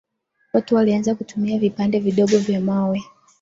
watu walianza kutumia vipande vidogo vya mawe